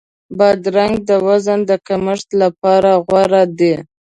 بادرنګ د وزن د کمښت لپاره غوره دی.